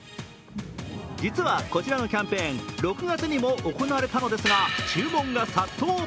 実はこちらのキャンペーン６月に行われたのですが注文が殺到。